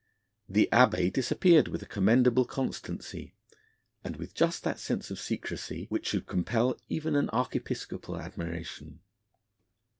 The Abbé disappeared with a commendable constancy, and with that just sense of secrecy which should compel even an archiepiscopal admiration.